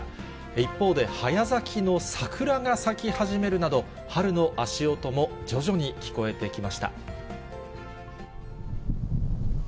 一方で早咲きの桜が咲き始めるなど、春の足音も徐々に聞こえてきました。